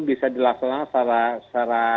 bisa dilaksanakan secara